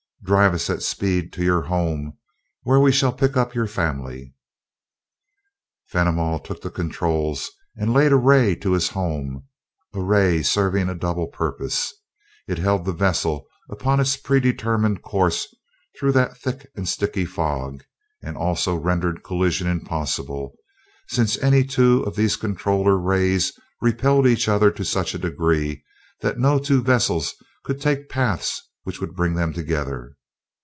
"Drive us at speed to your home, where we shall pick up your family." Fenimol took the controls and laid a ray to his home a ray serving a double purpose. It held the vessel upon its predetermined course through that thick and sticky fog and also rendered collision impossible, since any two of these controller rays repelled each other to such a degree that no two vessels could take paths which would bring them together.